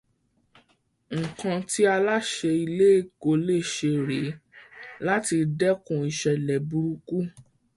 Nǹkán tí aláṣẹ ilé ẹ̀kọ́ lè ṣé rèé láti dẹkùn ìṣẹlẹ burúkú